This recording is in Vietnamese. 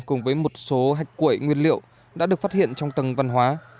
cùng với một số hạch cuội nguyên liệu đã được phát hiện trong tầng văn hóa